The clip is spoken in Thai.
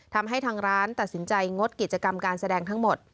ทำให้ทางร้านตัดสินใจงดกิจกรรมการแสดงทั้งหมด